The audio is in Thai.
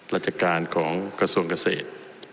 ราชการของกระทรวงเกษตร